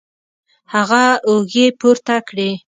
هغه اوږې پورته کړې